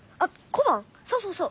そうそうそう。